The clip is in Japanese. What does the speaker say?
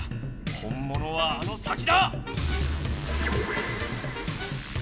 本ものはあの先だ！